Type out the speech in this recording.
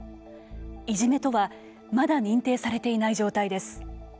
いじめとはまだ認定されていない状態です。